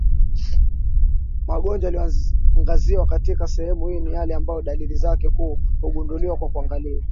Magonjwa yaliyoangaziwa katika sehemu hii ni yale ambayo dalili zake kuu hugunduliwa kwa kuangalia